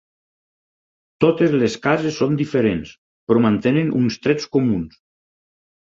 Totes les cases són diferents, però mantenen uns trets comuns.